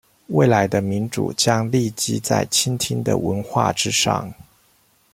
未來的民主將立基在傾聽的文化之上